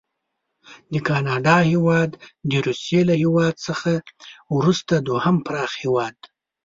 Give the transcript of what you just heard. د کاناډا هیواد د روسي له هیواد څخه وروسته دوهم پراخ هیواد دی.